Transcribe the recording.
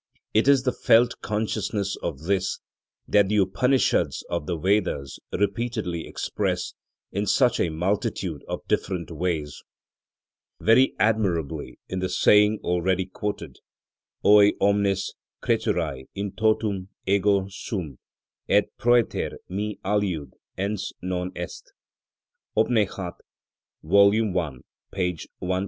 It is the felt consciousness of this that the Upanishads of the Vedas repeatedly express in such a multitude of different ways; very admirably in the saying already quoted: Hæ omnes creaturæ in totum ego sum, et præter me aliud ens non est (Oupnek'hat, vol. i. p. 122.)